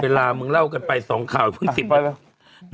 เวลามึงเล่ากันไป๒ข่าวเพิ่ง๑๐วันแล้ว